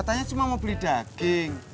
katanya cuma mau beli daging